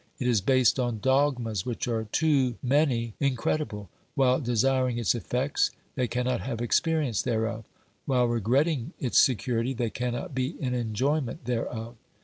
It is based on dogmas which are to many incredible; while desiring its effects they cannot have experience thereof; while regretting its security, they cannot be in enjoy ment thereof.